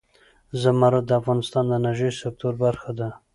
زمرد د افغانستان د انرژۍ سکتور برخه ده.